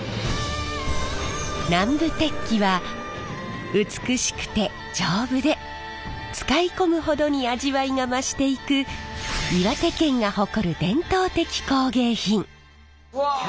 南部鉄器は美しくて丈夫で使い込むほどに味わいが増していく岩手県が誇るうわええやん！